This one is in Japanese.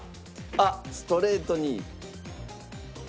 あっストレートに。